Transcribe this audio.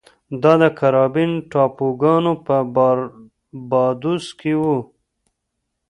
دا د کارابین ټاپوګانو په باربادوس کې و.